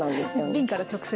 瓶から直接。